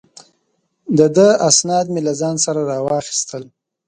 د ده اسناد مې له ځان سره را واخیستل.